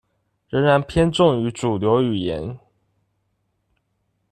仍然偏重於主流語言